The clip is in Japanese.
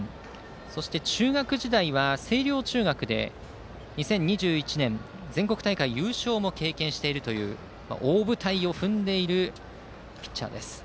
そして中学時代は星稜中学で２０２１年に全国大会優勝も経験している大舞台を踏んでいるピッチャーです。